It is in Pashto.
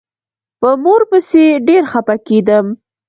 په مور پسې ډېر خپه کېدم.